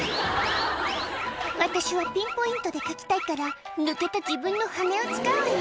「私はピンポイントでかきたいから抜けた自分の羽根を使うわよ」